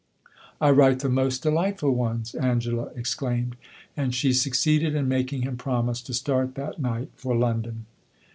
"I write the most delightful ones!" Angela exclaimed; and she succeeded in making him promise to start that night for London.